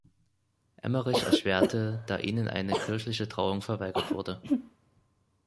Emmerich erschwerte, da ihnen eine kirchliche Trauung verweigert wurde.